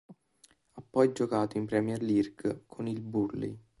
Ha poi giocato in Premier League con il Burnley.